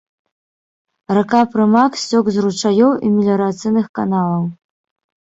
Рака прымак сцёк з ручаёў і меліярацыйных каналаў.